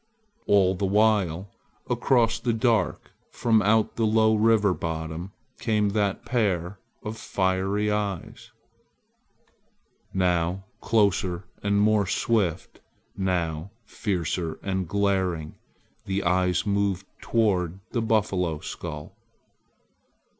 All the while across the dark from out the low river bottom came that pair of fiery eyes. Now closer and more swift, now fiercer and glaring, the eyes moved toward the buffalo skull.